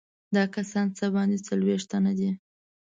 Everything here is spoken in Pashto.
دا کسان څه باندې څلوېښت تنه دي.